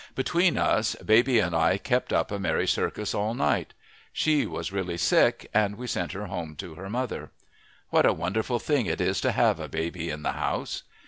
Between us, baby and I kept up a merry circus all night. She was really sick, and we sent her home to her mother. What a wonderful thing it is to have a baby in the house!